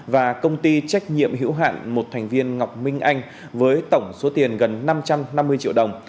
và công ty trách nhiệm hữu hạn một thành viên ngọc minh anh với tổng số tiền gần năm trăm năm mươi triệu đồng